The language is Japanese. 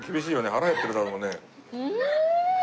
腹減ってるだろうね。